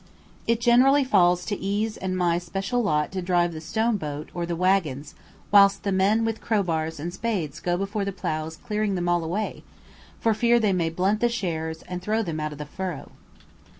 It generally falls to E 's and my special lot to drive the stone boat or the waggons, whilst the men with crowbars and spades go before the ploughs clearing them all away, for fear they may blunt the shares and throw them out of the furrow.